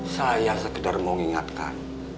saya sekedar mau ingatkan